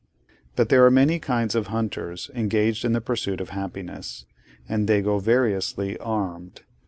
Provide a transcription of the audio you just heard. But there are many kinds of hunters engaged in the Pursuit of Happiness, and they go variously armed.